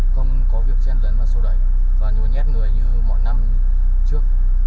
không có việc chen lẫn vào sâu đẩy và nhu nhét người như mỗi năm trước